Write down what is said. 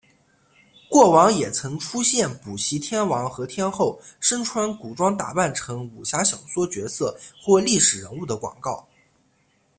过往也曾出现补习天王和天后身穿古装打扮成武侠小说角色或历史人物的广告。